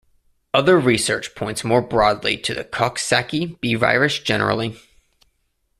Other research points more broadly to the Coxsackie B virus generally.